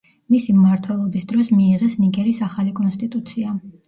მისი მმართველობის დროს მიიღეს ნიგერის ახალი კონსტიტუცია.